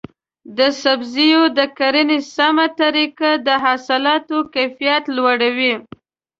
د سبزیو د کرنې سمه طریقه د حاصلاتو کیفیت لوړوي.